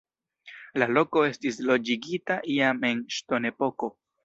La loko estis loĝigita jam en ŝtonepoko.